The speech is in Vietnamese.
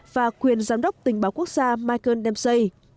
và quyền giám đốc tình báo quốc gia michael demsy